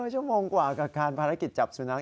ชั่วโมงกว่ากับการภารกิจจับสุนัข